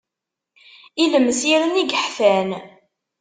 Ilemsiren i yeḥfan.